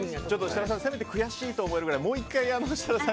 設楽さん、せめて悔しいと思えるくらいもう１回、設楽さん